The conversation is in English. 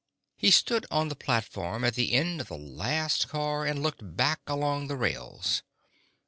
He stood on the platform at the end of the last car, and looked back along the rails.